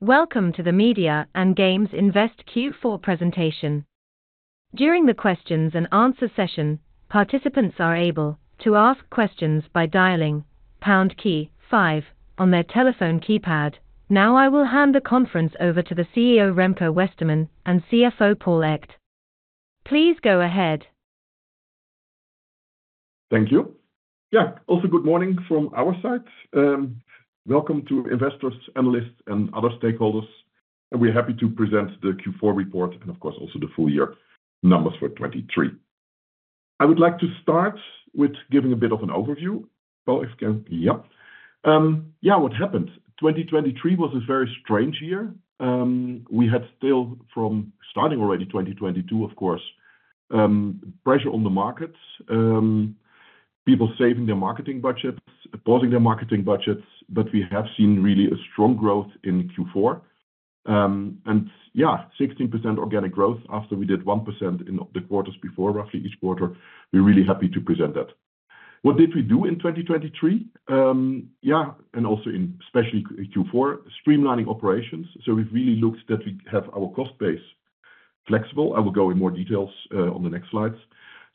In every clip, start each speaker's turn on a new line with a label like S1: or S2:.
S1: Welcome to the Media and Games Invest Q4 presentation. During the questions and answer session, participants are able to ask questions by dialing on their telephone keypad. Now I will hand the conference over to the CEO Remco Westermann and CFO Paul Echt. Please go ahead.
S2: Thank you. Yeah, also good morning from our side. Welcome to investors, analysts and other stakeholders and we're happy to present the Q4 report and of course also the full-year numbers for 2023. I would like to start with giving a bit of an overview what happened. 2023 was a very strange year. We had still from starting already 2022 of course pressure on the markets, people saving their marketing budgets, pausing their marketing budgets. But we have seen really a strong growth in Q4 and yeah, 16% organic growth after we did 1% in the quarters before roughly each quarter. We're really happy to present that. What did we do in 2023? Yeah, and also in especially Q4 streamlining operations. So we really looked that we have our cost base flexible. I will go in more details on the next slides.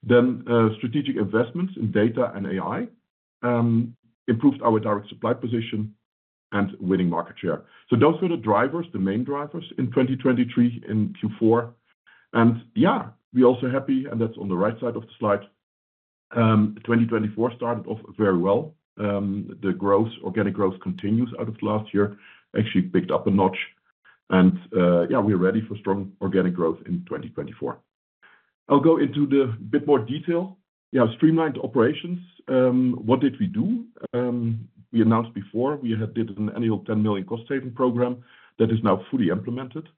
S2: Then Strategic Investments in Data and AI improved our direct supply position and winning market share. So those were the drivers, the main drivers in 2023 in Q4 and yeah we also happy and that's on the right side of the slide. 2024 started off very well. The growth organic growth continues out of last year actually picked up a notch. Yeah we're ready for strong organic growth in 2024. I'll go into the bit more detail. You have Streamlined Operations. What did we do? We announced before we had did an annual 10 million cost-saving program that is now fully implemented.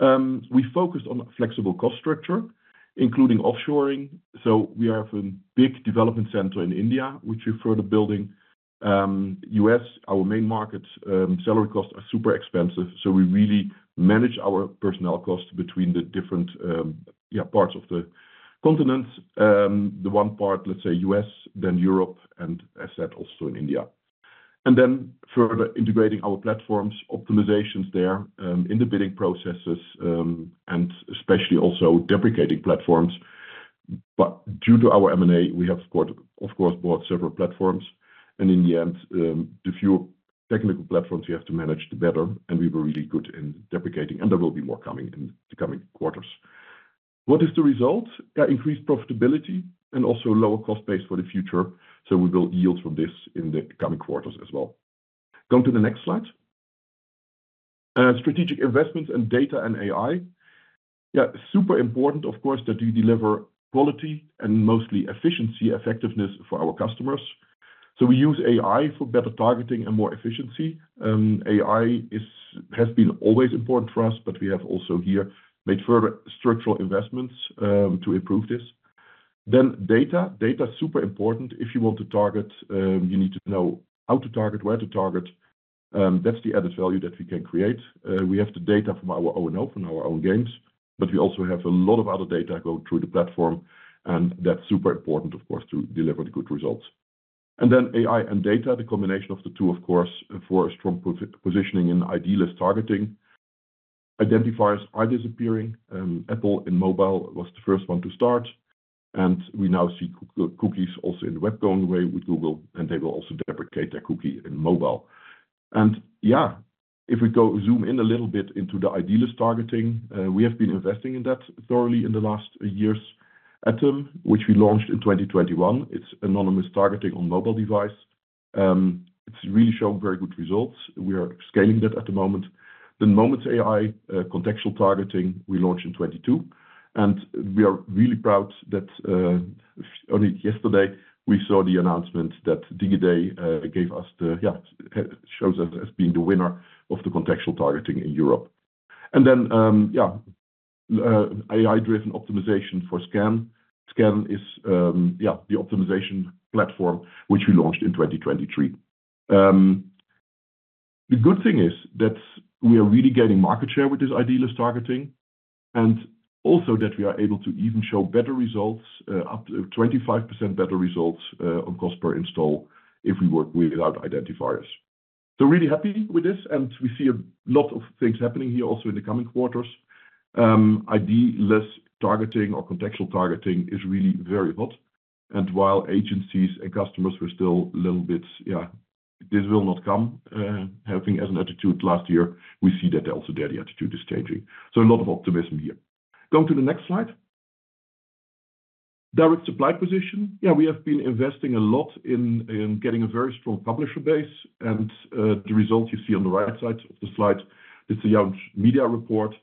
S2: We focused on flexible cost structure including offshoring. So we have a big development center in India which we further building as our main market salary costs are super expensive. So we really manage our personnel costs between the different parts of the continents. The one part, let's say the U.S., then Europe and as said also in India and then further integrating our platforms optimizations there in the bidding processes and especially also deprecating platforms. But due to our M&A we have of course bought several platforms and in the end the few technical platforms you have to manage the better. And we were really good in deprecating and there will be more coming in the coming quarters. What is the result? Increased profitability and also lower cost base for the future. So we will yield from this in the coming quarters as well. Going to the next slide. Strategic Investments in Data and AI super important of course that we deliver quality and mostly efficiency effectiveness for our customers. So we use AI for better targeting and more efficiency. AI has been always important for us, but we have also here made further structural investments to improve this. Then data, data, super important. If you want to target, you need to know how to target, where to target. That's the added value that we can create. We have the data from our own SSP and our own games, but we also have a lot of other data going through the platform and that's super important of course to deliver the good results. And then AI and data, the combination of the two, of course for a strong positioning in ID-less targeting. Identifiers are disappearing. Apple in mobile was the first one to start and we now see cookies also in the web going away with Google and they will also deprecate their cookie in mobile. Yeah, if we go zoom in a little bit into the ID-less targeting, we have been investing in that thoroughly in the last years. ATOM, which we launched in 2021, it's anonymous targeting on mobile device. It's really showing very good results. We are scaling that at the moment. The Moments.AI contextual targeting, we launched in 2022 and we are really proud that only yesterday we saw the announcement that Digiday gave us the—yeah, shows us as being the winner of the Best Contextual Targeting in Europe and then yeah AI-driven optimization for SKAN. SKAN is the optimization platform which we launched in 2023. The good thing is that we are really getting market share with this ID-less targeting and also that we are able to even show better results, up to 25% better results on cost per install if we work without identifiers. So really happy with this and we see a lot of things happening here also in the coming quarters. ID-less targeting or contextual targeting is really very hot and while agencies and customers were still a little bit. Yeah, this will not come having as an attitude last year we see that also that the attitude is changing. So a lot of optimism here going to the next slide. Direct supply position. Yeah we have been investing a lot in getting a very strong publisher base and the results you see on the right side of the slide is the media report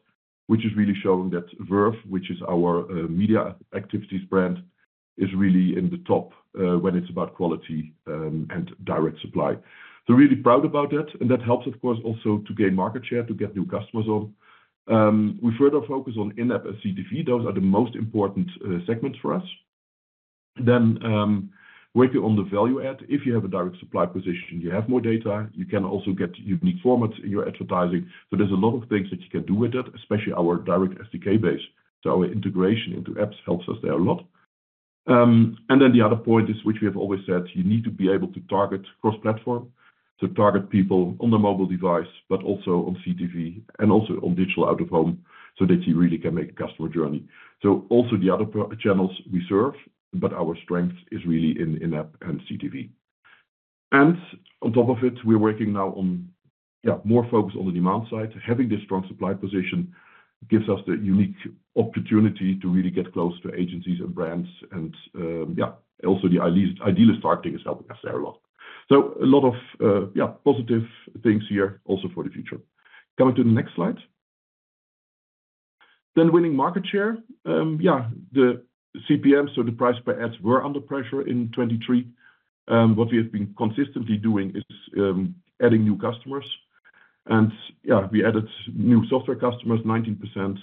S2: which is really showing that Verve which is our media activities brand is really in the top when it's about quality and direct supply. So really proud about that and that helps of course also to gain market share to get new customers on. We further focus on in-app and CTV. Those are the most important segments for us. Then working on the value add. If you have a direct supply position, you have more data, you can also get unique formats in your advertising. So there's a lot of things that you can do with it, especially our direct SDK base. So integration into apps helps us there a lot. And then the other point is which we have always said you need to be able to target cross-platform to target people on the mobile device but also on CTV and also on digital out of home so that you really can make a customer journey. So also the other channels we serve but our strength is really in-app and CTV and on top of it we are working now on more focus on the demand side. Having this strong supply position gives us the unique opportunity to really get close to agencies and brands. Yeah, also the ID-less targeting is helping us there a lot. So a lot of positive things here also for the future. Coming to the next slide then winning market share. Yeah, the CPM. So the price per ads were under pressure in 2023. What we have been consistently doing is adding new customers and yeah we added new software customers 19%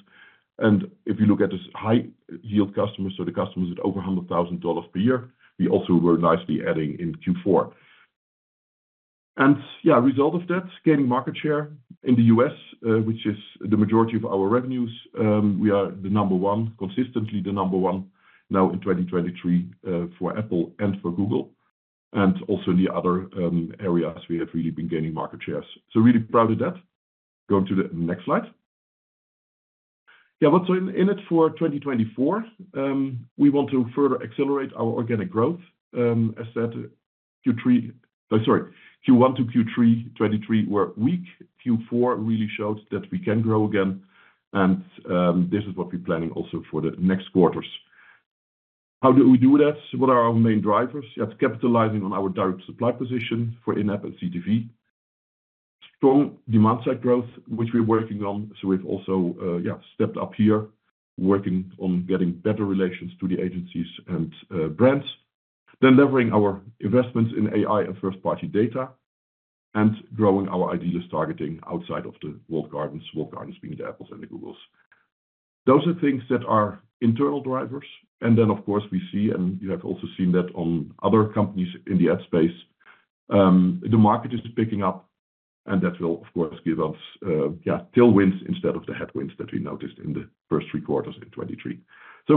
S2: and if you look at this high-yield customers so the customers at over $100,000 per year we also were nicely adding in Q4 and yeah result of that gaining market share in the U.S. which is the majority of our revenues. We are the number one, consistently the number one now in 2023 for Apple and for Google and also in the other areas we have really been gaining market shares. So really proud of that. Going to the next slide. Yeah. What's in it for 2024? We want to further accelerate our organic growth as said Q3. Sorry Q1 to Q3 2023 were weak. Q4 really showed that we can grow again and this is what we're planning also for the next quarters. How do we do that? What are our main drivers? Capitalizing on our direct supply position for in-app and CTV. Strong demand side growth which we're working on. So we've also stepped up here working on getting better relations to the agencies and brands, then leveraging our investments in AI and first-party data and growing our ID-less targeting outside of the walled gardens. Walled gardens being the Apple and the Google. Those are things that are internal drivers. Then of course we see and you have also seen that on other companies in the ad space. The market is picking up and that will of course give us tailwinds instead of the headwinds that we noticed in the first three quarters in 2023.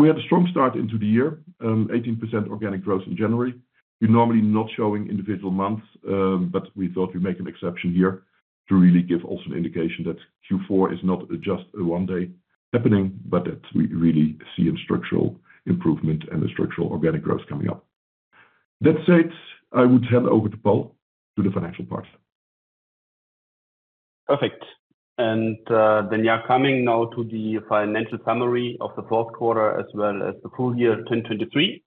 S2: We had a strong start into the year. 18% organic growth in January. You're normally not showing individual months but we thought we'd make an exception here to really give also an indication that Q4 is not just a one day happening, but that we really see a structural improvement and the structural organic growth coming up. That said, I would hand over to Paul to the financial portion.
S3: Perfect. Then you are coming now to the financial summary of the fourth quarter as well as the full year 2023.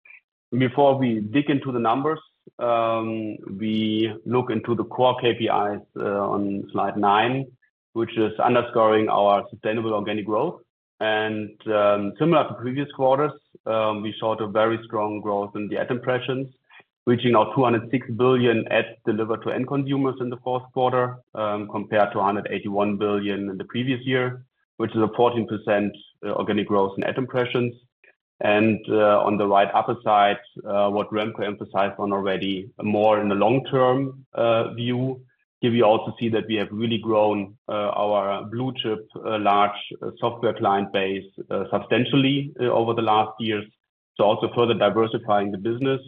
S3: Before we dig into the numbers, we look into the core KPIs on slide 9 which is underscoring our sustainable organic growth. Similar to previous quarters we showed a very strong growth in the ad impressions, reaching out 206 billion ads delivered to end consumers in the fourth quarter compared to 181 billion in the previous year which is a 14% organic growth in ad impressions. On the right upper side what Remco emphasized on already more in the long term view here we also see that we have really grown our blue-chip large software client base substantially over the last years. So also further diversifying the business.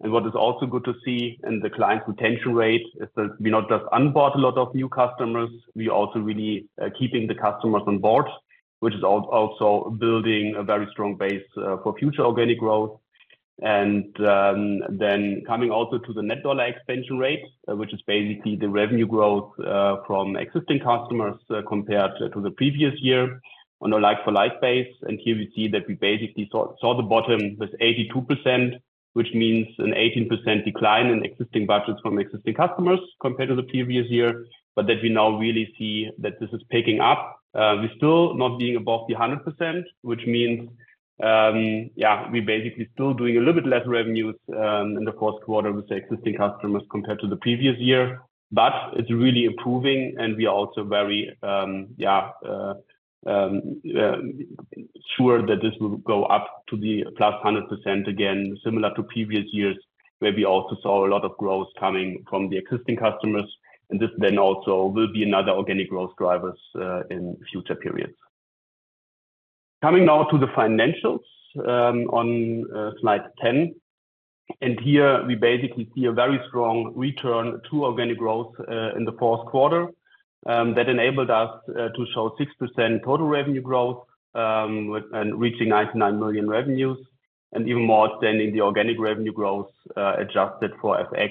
S3: What is also good to see in the client retention rate is that we not just bought a lot of new customers, we also really keeping the customers on board which is also building a very strong base for future organic growth. Then coming also to the net dollar expansion rate which is basically the revenue growth from existing customers compared to the previous year on a like-for-like basis. And here we see that we basically saw the bottom with 82% which means an 18% decline in existing budgets from existing customers compared to the previous year. But that we now really see that this is picking up we still not being above the 100% which means yeah, we basically still doing a little bit less revenues in the fourth quarter with the existing customers compared to the previous year. But it's really improving. We are also very sure that this will go up to the +100% again similar to previous years where we also saw a lot of growth coming from the existing customers. This then also will be another organic growth drivers in future periods. Coming now to the financials on slide 10 and here we basically see a very strong return to organic growth in the fourth quarter that enabled us to show 6% total revenue growth and reaching 99 million revenues. Even more than in the organic revenue growth adjusted for FX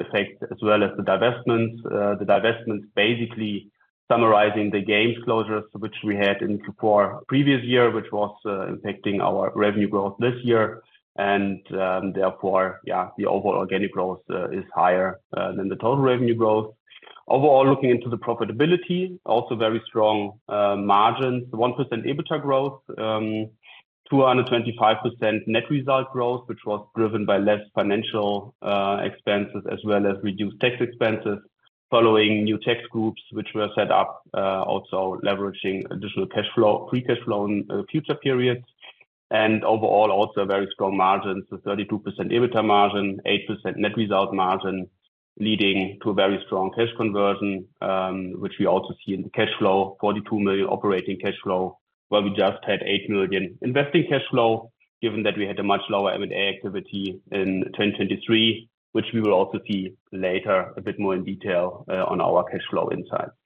S3: effect as well as the divestments. The divestments basically summarizing the games closures which we had in Q4 previous year which was impacting our revenue growth this year. And therefore the overall organic growth is higher than the total revenue growth overall. Looking into the profitability, also very strong margins, 1% EBITDA growth, 225% net result growth, which was driven by less financial expenses as well as reduced tax expenses following new tax groups which were set up. Also leveraging additional cash flow, free cash flow in future periods and overall also very strong margins, 32% EBITDA margin, 8% net result margin, leading to a very strong cash conversion which we also see in the cash flow, 42 million operating cash flow where we just had 8 million investing cash flow. Given that we had a much lower M&A activity in 2023, which we will also see later a bit more in detail on our cash flow insights.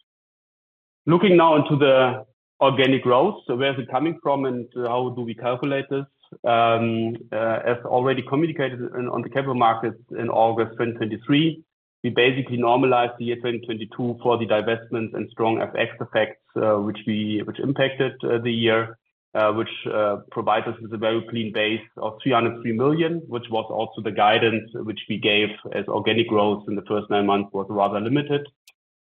S3: Looking now into the organic growth, so where is it coming from and how do we calculate this? As already communicated on the Capital Markets Day in August 2023, we basically normalized the year 2022 for the divestments and strong FX effects which we impacted the year which provides us with a very clean base of 303 million which was also the guidance which we gave as organic growth in the first nine months was rather limited.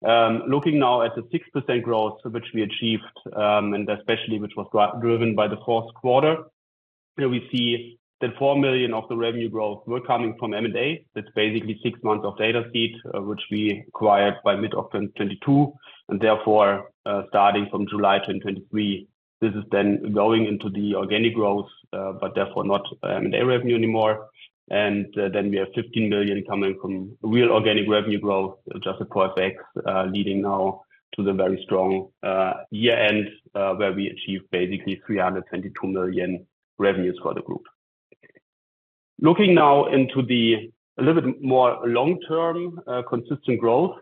S3: Looking now at the 6% growth which we achieved and especially which was driven by the fourth quarter we see that 4 million of the revenue growth were coming from M&A. That's basically six months of Dataseat which we acquired by mid of 2022 and therefore starting from July 2023 this is then going into the organic growth but therefore not M&A revenue anymore and then we have 15 million coming from real organic revenue growth just a posex leading now to the very strong year end where we achieved basically 322 million revenues for the group. Looking now into the a little bit more long term consistent growth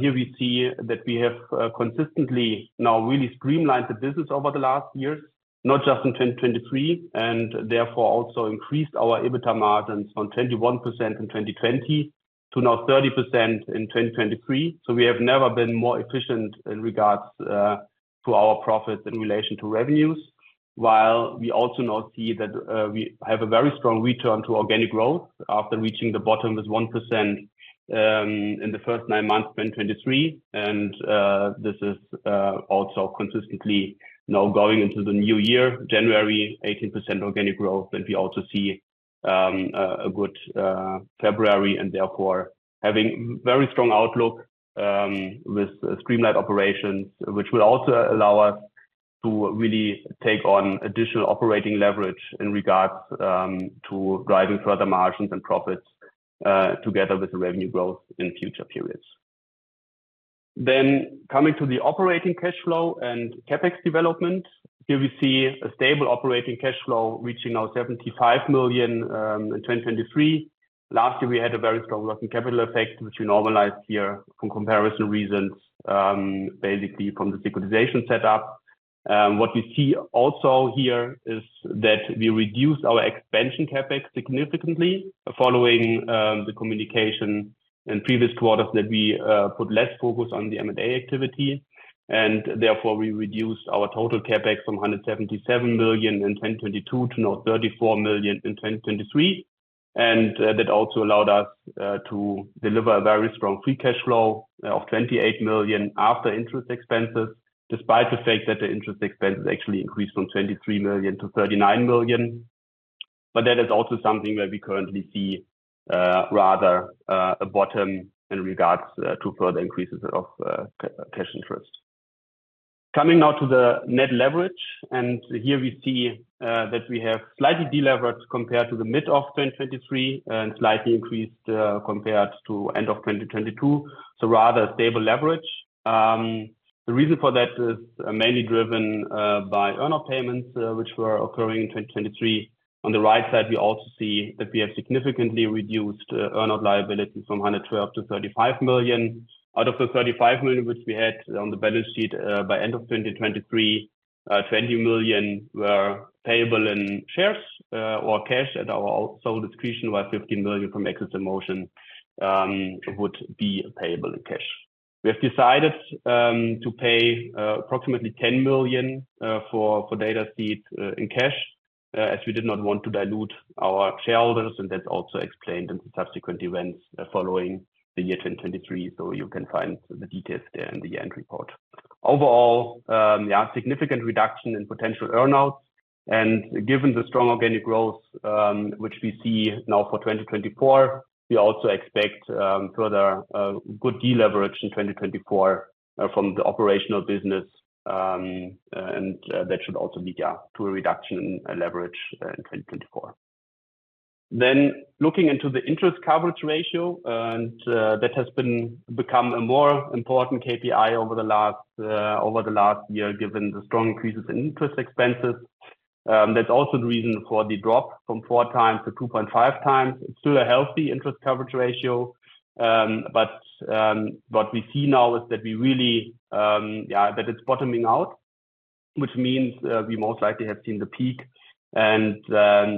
S3: here we see that we have consistently now really streamlined the business over the last years not just in 2023 and therefore also increased our EBITDA margins on 21% in 2020 to now 30% in 2023. So we have never been more efficient in regards to our profits in relation to revenues while we also now see that we have a very strong return to organic growth after reaching the bottom with 1% in the first nine months 2023 and this is also consistently now going into the new year January 18% organic growth and we also see a good February and therefore having very strong outlook with streamlined operations which will also allow us to really take on additional operating leverage in regards to driving further margins and profits together with revenue growth in future periods. Then coming to the operating cash flow and CapEx development here we see a stable operating cash flow reaching now 75 million in 2023. Last year we had a very strong working capital effect which we normalized here for comparison reasons basically from the securitization setup. What we see also here is that we reduce our expansion CapEx significantly following the communication in previous quarters that we put less focus on the M&A activity and therefore we reduced our total CapEx from 177 million in 2022 to now 34 million in 2023. That also allowed us to deliver a very strong free cash flow of 28 million after interest expenses despite the fact that the interest expenses actually increased from 23 million to 39 million. That is also something where we currently see rather a bottom in regards to further increases of cash interest coming now to the net leverage. Here we see that we have slightly deleveraged compared to the mid of 2023 and slightly increased compared to end of 2022. Rather stable leverage. The reason for that is mainly driven by earnout payments which were occurring in 2023. On the right side we also see that we have significantly reduced earnout liability from 112 million to 35 million out of the 35 million which we had on the balance sheet by end of 2023. 20 million were payable in shares or cash at our sole discretion while 15 million from Axes in Motion would be payable in cash. We have decided to pay approximately 10 million for Dataseat in cash as we did not want to dilute our shareholders and that's also explained in subsequent events following the year 2023. So you can find the details there in the annual report. Overall significant reduction in potential earnouts and given the strong organic growth which we see now for 2024, we also expect further good deleverage in 2024 from the operational business and that should also lead to a reduction in leverage in 2024. Then looking into the interest coverage ratio, and that has become a more important KPI over the last year given the strong increases in interest expenses. That's also the reason for the drop from 4x to 2.5x. It's still a healthy interest coverage ratio, but what we see now is that we really see that it's bottoming out, which means we most likely have seen the peak. And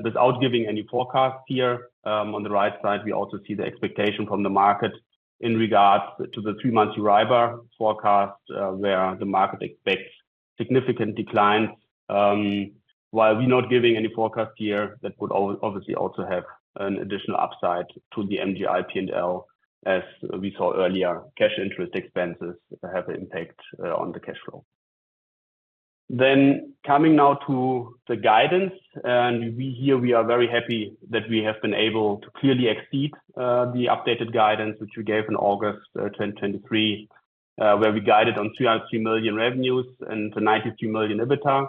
S3: without giving any forecast here. On the right side, we also see the expectation from the market in regards to the three-month EURIBOR forecast, where the market expects significant declines. While we're not giving any forecast here, that would obviously also have an additional upside to the MGI P&L, as we saw earlier, cash interest expenses have an impact on the cash flow. Then coming now to the guidance, and here we are very happy that we have been able to clearly exceed the updated guidance which we gave in August 2023, where we guided on 303 million revenues and 93 million EBITDA.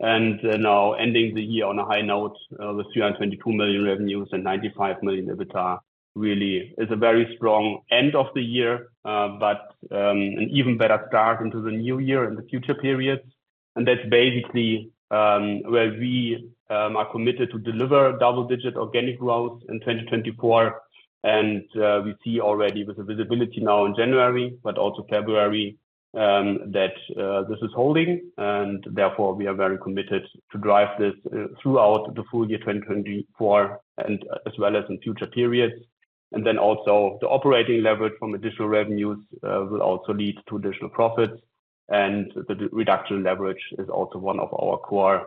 S3: Now ending the year on a high note with 322 million revenues and 95 million EBITDA really is a very strong end of the year, but an even better start into the new year and the future periods. That's basically where we are committed to deliver double-digit organic growth in 2024. We see already with the visibility now in January, but also February that this is holding. Therefore we are very committed to drive this throughout the full year 2024 and as well as in future periods. Then also the operating leverage from additional revenues will also lead to additional profits. The reduction in leverage is also one of our core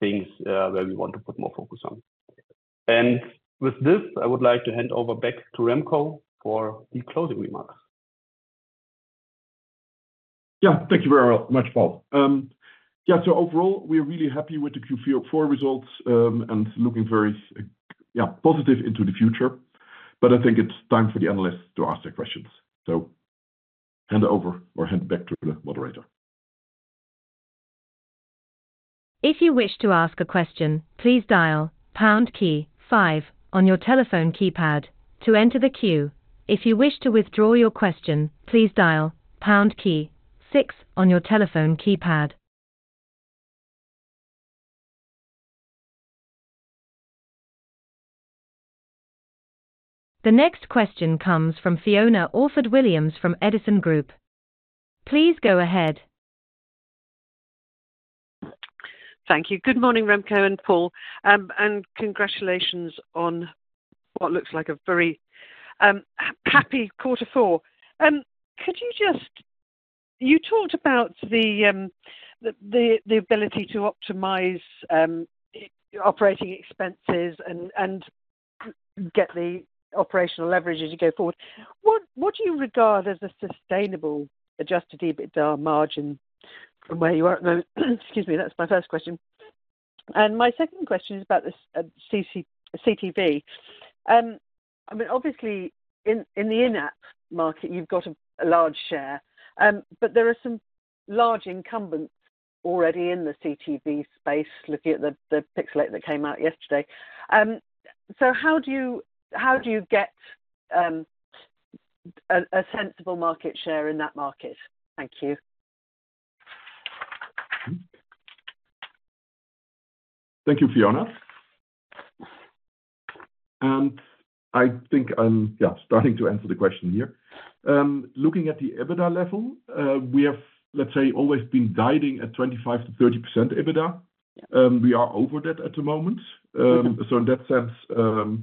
S3: things where we want to put more focus on. With this, I would like to hand over back to Remco for the closing remarks.
S2: Yeah, thank you very much, Paul. Yeah, so overall we are really happy with the Q4 results and looking very positive into the future. But I think it's time for the analysts to ask their questions. So hand it over or hand it back to the moderator.
S1: If you wish to ask a question, please dial on your telephone keypad to enter the queue. If you wish to withdraw your question, please dial six on your telephone keypad. The next question comes from Fiona Orford-Williams from Edison Group. Please go ahead.
S4: Thank you. Good morning, Remco and Paul, and congratulations on what looks like a very happy quarter four. You talked about the ability to optimize operating expenses and get the operational leverage as you go forward. What do you regard as a sustainable adjusted EBITDA margin from where you are at the moment? Excuse me, that's my first question and my second question is about the CTV. I mean, obviously in the in-app market you've got a large share, but there are some large incumbents already in the CTV space. Looking at the Pixel 8 that came out yesterday. So how do you, how do you Get.A sensible market share in that market? Thank you.
S2: Thank you, Fiona. I think I'm starting to answer the question here. Looking at the EBITDA level, we have, let's say, always been guiding at 25%-30% EBITDA. We are over that at the moment. In that sense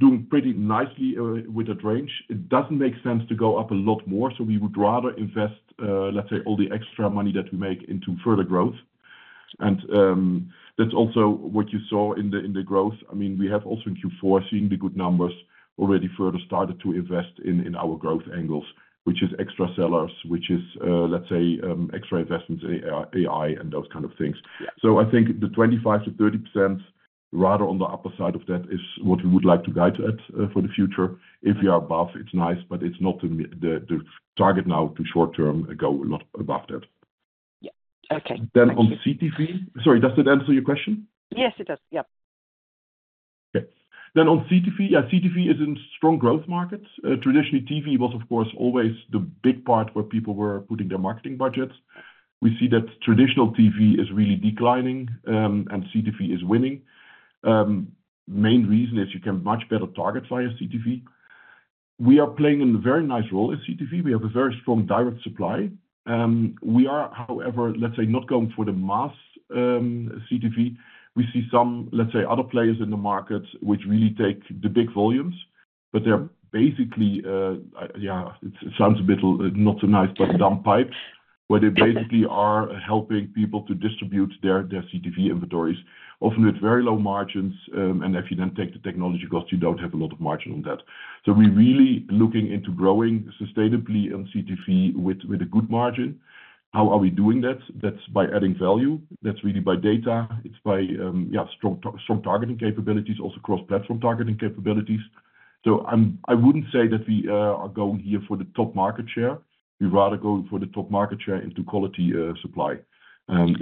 S2: doing pretty nicely with that range. It doesn't make sense to go up a lot more. We would rather invest, let's say all the extra money that we make into further growth. That's also what you saw in the growth. I mean we have also in Q4, seeing the good numbers already further started to invest in our growth angles, which is extra sellers, which is let's say extra investments, AI and those kind of things. I think the 25%-30% rather on the upper side of that is what we would like to guide it for the future. If you are above, it's nice, but it's not the target now to short-term go a lot above that. Okay, then on CTV. Sorry, does that answer your question?
S4: Yes, it does.
S2: Yep. Then on CTV, CTV is in strong growth markets. Traditionally TV was of course always the big part where people were putting their marketing budgets. We see that traditional TV is really declining and CTV is winning. Main reason is you can much better target via CTV. We are playing a very nice role in CTV. We have a very strong direct supply. We are, however, let's say, not going for the mass CTV. We see some, let's say, other players in the market markets which really take the big volumes but they're basically, yeah, it sounds a bit not so nice but dumb pipes where they basically are helping people to distribute their CTV inventories often with very low margins. And if you then take the technology cost, you don't have a lot of margin on that. So we really looking into growing sustainably on CTV with a good margin. How are we doing that? That's by adding value. That's really by data, it's by strong targeting capabilities also cross-platform targeting capabilities. So I wouldn't say that we are going here for the top market share. We rather go for the top market share into quality supply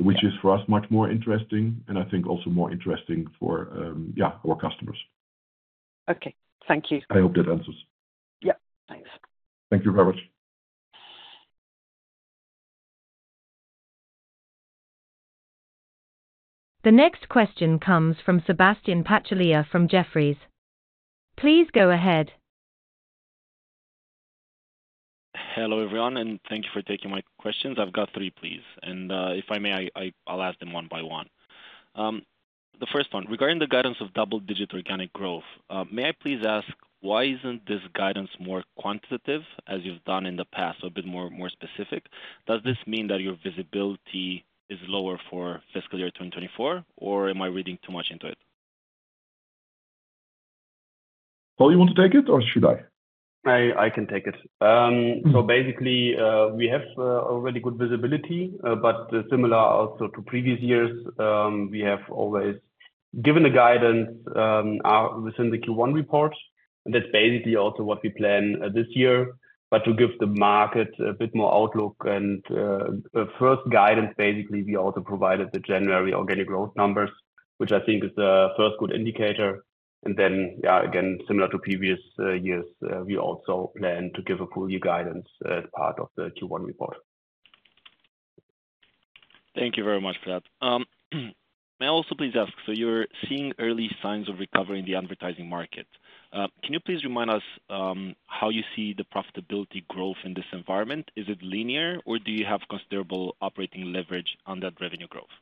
S2: which is for us much more interesting and I think also more interesting for our customers.
S4: Okay, thank you.
S2: I hope that answers.
S4: Yeah, thanks.
S2: Thank you very much.
S1: The next question comes from Sebastian Patulea from Jefferies. Please go ahead.
S5: Hello everyone and thank you for taking my questions. I've got three please and if I may, I'll ask them one by one. The first one regarding the guidance of double-digit organic growth. May I please ask why isn't this guidance more quantitative as you've done in the past? So a bit more specific. Does this mean that your visibility is lower for fiscal year 2024 or am I reading too much into it?
S2: Paul, you want to take it or should I?
S3: I can take it. So basically we have already good visibility. But similar also to previous years, we have always given the guidance within the Q1 report and that's basically also what we plan this year. But to give the market a bit more outlook and first guidance, basically we also provided the January organic growth numbers which I think is the first good indicator. And then again similar to previous years, we also plan to give a full-year guidance as part of the Q1 report.
S5: Thank you very much for that. May I also please ask, so you're seeing early signs of recovery in the advertising market. Can you please remind us how you see the profitability growth in this environment linear or do you have considerable operating leverage on that revenue growth?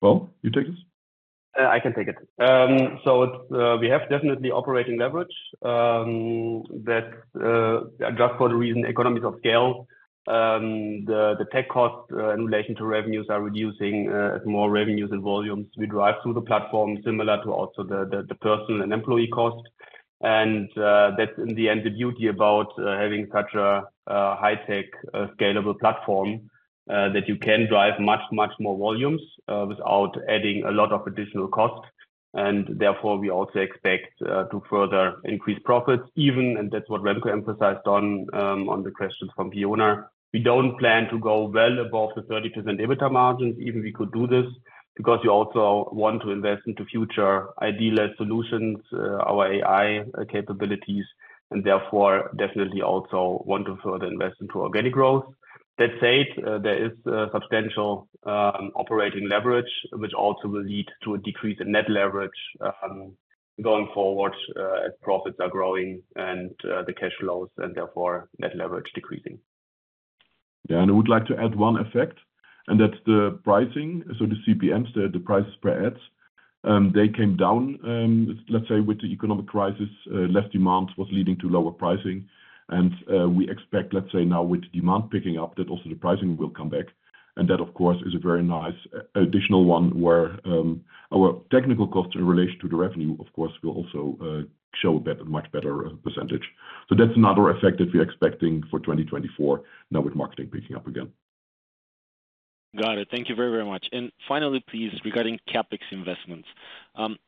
S2: Paul, are you taking this?
S3: I can take it. We have definitely operating leverage that just for the reason economies of scale, the tech costs in relation to revenues are reducing as more revenues and volumes we drive through the platform similar to also the personnel and employee cost. That's in the end the beauty about having such a high-tech scalable platform that you can drive much much more volumes without adding a lot of additional cost. Therefore we also expect to further increase profits even and that's what Remco emphasized on, on the question from Fiona. We don't plan to go well above the 30% EBITDA margins even we could do this because you also want to invest into future ideal solutions, our AI capabilities and therefore definitely also want to further invest into organic growth. That said, there is substantial operating leverage which also will lead to a decrease in net leverage going forward as profits are growing and the cash flows and therefore net leverage decreasing.
S2: Yeah, and I would like to add one effect and that's the pricing. So the CPM, the prices per ads, they came down. Let's say with the economic crisis less demand was leading to lower pricing and we expect, let's say now with demand picking up that also the pricing will come back. And that of course is a very nice additional one where our technical costs in relation to the revenue of course will also show a much better percentage. So that's another effect that we are expecting for 2024 now with marketing picking up again.
S5: Got it. Thank you very very much. And finally please, regarding CapEx investments,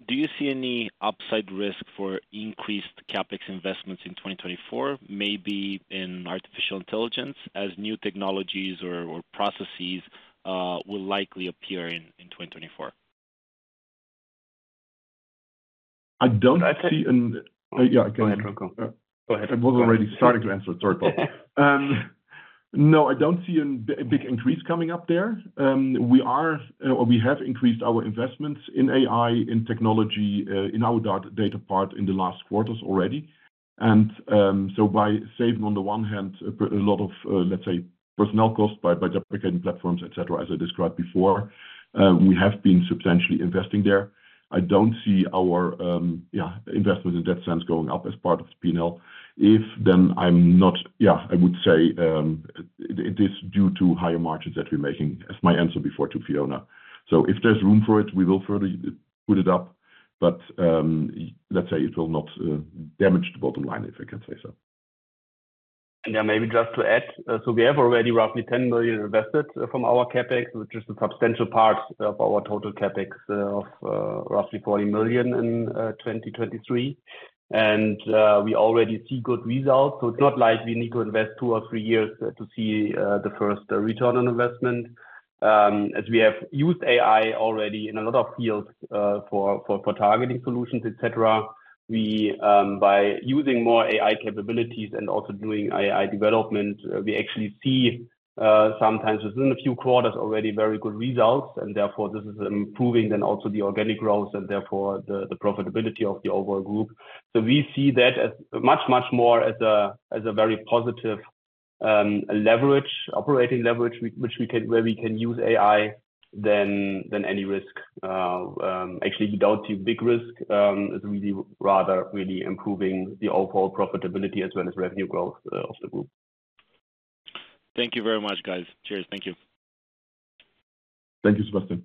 S5: do you see any upside risk for increased CapEx investments in 2024 maybe in artificial intelligence as new technologies or processes will likely appear in 2024?
S2: I don't see. Go ahead. I was already starting to answer. Sorry, Paul. No, I don't see a big increase coming up. There we are. We have increased our investments in AI in technology in our data part in the last quarters already. And so by saving on the one hand a lot of, let's say, personnel cost by deprecating platforms etc. As I described before, we have been substantially investing there. I don't see our investment in that sense going up as part of P&L. If then I'm not. Yeah, I would say it is due to higher margins that we're making. As my answer before to Fiona, so if there's room for it, we will further put it up. But let's say it will not damage the bottom line, if I can say so.
S3: Yeah, maybe just to add. So we have already roughly 10 million invested from our CapEx, which is a substantial part of our total CapEx of roughly 40 million in 2023 and we already see good results. So it's not like we need to invest two or three years to see the first return on investment as we have used AI already in a lot of fields for targeting solutions, etc. By using more AI capabilities and also doing AI development, we actually see sometimes within a few quarters already very good results and therefore this is improving then also the organic growth and therefore the profitability of the overall group. So we see that as much, much more as a very positive leverage, operating leverage, which we can, where we can use AI than any risk actually. Without you big risk is really rather, really improving the overall profitability as well as revenue growth of the group.
S5: Thank you very much guys. Cheers. Thank you.
S2: Thank you, Sebastian.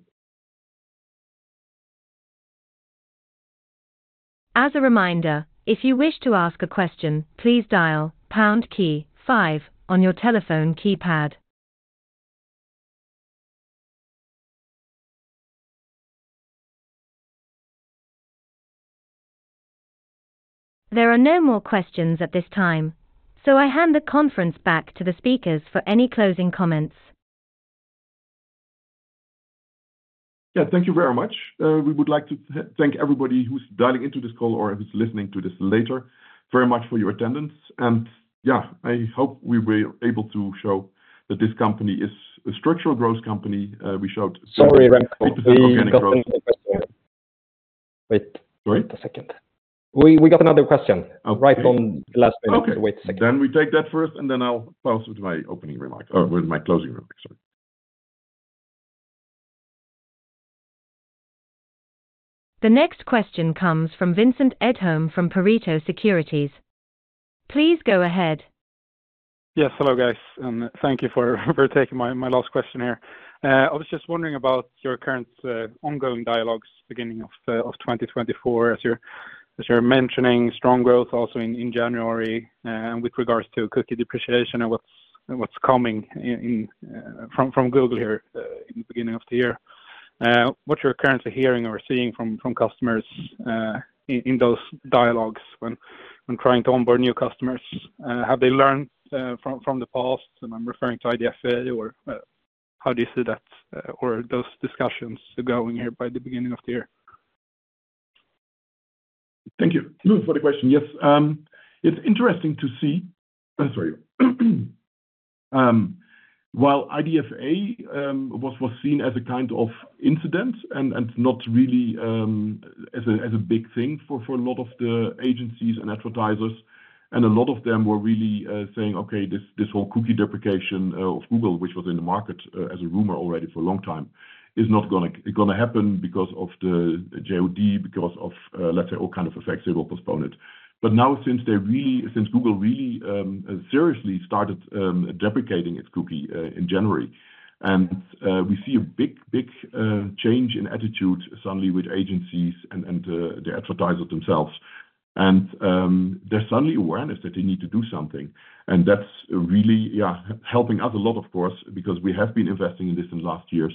S1: As a reminder, if you wish to ask a question, please dial on your telephone keypad. There are no more questions at this time, so I hand the conference back to the speakers for any closing comments.
S2: Yeah, thank you very much. We would like to thank everybody who's dialing into this call or who's listening to this later, very much for your attendance and yeah, I hope we were able to show that this company is a structural growth company. We showed—
S3: Sorry, Remco. Wait a second, we got another question right on the last minute, wait a second.
S2: Then we take that first and then I'll post with my opening remarks or with my closing remark. Sorry.
S1: The next question comes from Vincent Edholm from Pareto Securities. Please go ahead.
S6: Yes, hello guys and thank you for taking my last question here. I was just wondering about your current ongoing dialogues beginning of 2024 as you're mentioning strong growth also in January with regards to cookie deprecation and what's coming in from Google here in the beginning of the year, what you're currently hearing or seeing from customers in those dialogues, when I'm trying to onboard new customers, have they learned from the past and I'm referring to IDFA or how do you see that or those discussions going here by the beginning of the year?
S2: Thank you for the question. Yes, it's interesting to see. Sorry. While IDFA was seen as a kind of incident and not really as a big thing for a lot of the agencies and advertisers and a lot of them were really saying, okay, this whole cookie deprecation of Google, which was in the market as a rumor already for a long time, is not going to happen because of the job, because of, let's say, all kind of effects. They will postpone it. But now since Google really seriously started deprecating its cookie in January and we see a big, big change in attitude suddenly with agencies and the advertiser themselves and there's suddenly awareness that they need to do something. That's really helping us a lot, of course, because we have been investing in this in the last years,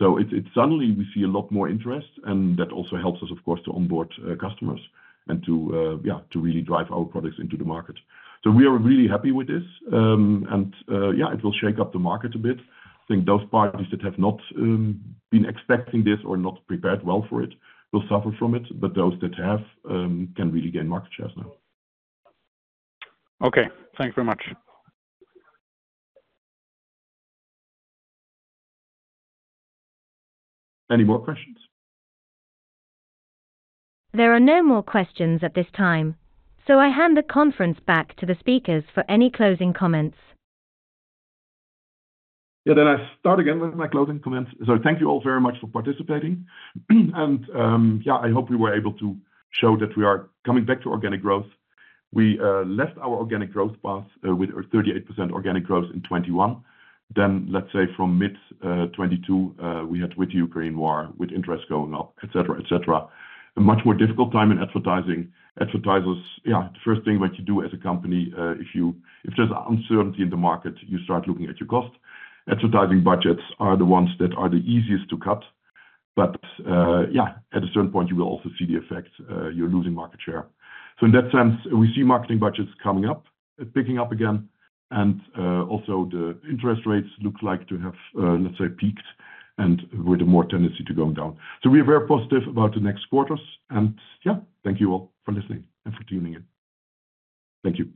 S2: so suddenly we see a lot more interest. And that also helps us of course, to onboard customers and to really drive our products into the market. So we are really happy with this. And yeah, it will shake up the market a bit. I think those parties that have not been expecting this or not prepared well for it will suffer from it. But those that have can really gain market shares now.
S6: Okay, thank you very much.
S2: Any more questions?
S1: There are no more questions at this time. So I hand the conference back to the speakers for any closing comments.
S2: Yeah, then I start again with my closing comments. So thank you all very much for participating, and yeah, I hope we were able to show that we are coming back to organic growth. We left our organic growth path with 38% organic growth in 2021. Then, let's say from mid-2022 we had with Ukraine war, with interest going up, et cetera, et cetera, a much more difficult time in advertising advertisers. The first thing what you do as a company, if there's uncertainty in the market, you start looking at your cost. Advertising budgets are the ones that are the easiest to cut. But yeah, at a certain point you will also see the effect. You're losing market share. So in that sense we see marketing budgets coming up, picking up again and also the interest rates look like to have, let's say, peaked and with a more tendency to go down. So we are very positive about the next quarters. And yeah, thank you all for listening and for tuning in. Thank you.